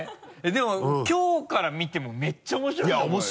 でもきょうから見てもめっちゃ面白いと思うよ。